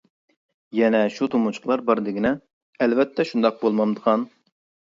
يەنە شۇ تۇمۇچۇقلار بار دېگىنە؟ -ئەلۋەتتە شۇنداق بولمامدىغان.